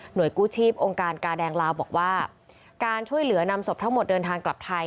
โดยกู้ชีพองค์การกาแดงลาวบอกว่าการช่วยเหลือนำศพทั้งหมดเดินทางกลับไทย